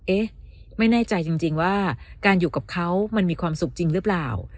เอ๊ะไม่แน่ใจจริงว่าการอยู่กับเขามันมีความสุขจริงหรือเปล่า